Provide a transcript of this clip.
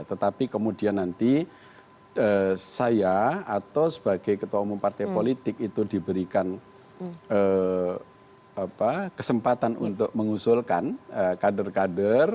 tetapi kemudian nanti saya atau sebagai ketua umum partai politik itu diberikan kesempatan untuk mengusulkan kader kader